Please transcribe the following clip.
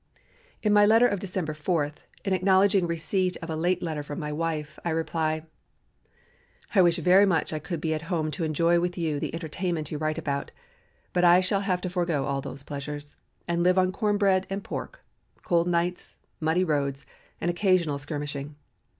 In my letter of December 4, in acknowledging receipt of a late letter from my wife, I reply: "I wish very much I could be at home to enjoy with you the entertainments you write about, but I shall have to forego all these pleasures, and live on corn bread and pork, cold nights, muddy roads, and occasional skirmishing.